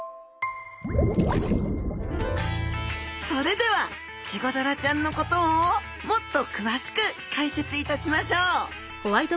それではチゴダラちゃんのことをもっと詳しく解説いたしましょう！